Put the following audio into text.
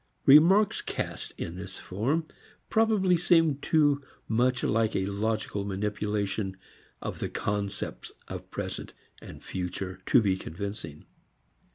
Remarks cast in this form probably seem too much like a logical manipulation of the concepts of present and future to be convincing.